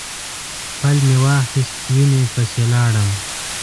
پل مې واخیست وینې پسې لاړم.